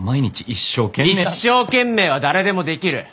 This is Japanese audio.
一生懸命は誰でもできる。